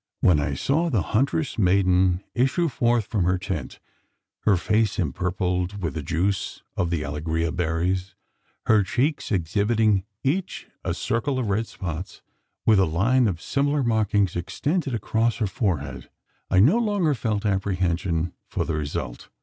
When I saw the huntress maiden issue forth from her tent her face empurpled with the juice of the allegria berries her cheeks exhibiting, each a circle of red spots, with a line of similar markings extended across her forehead I no longer felt apprehension for the result.